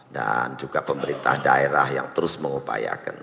dan juga pemerintah daerah yang terus mengupayakan